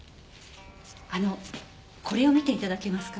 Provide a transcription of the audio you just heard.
あのこれを見て頂けますか？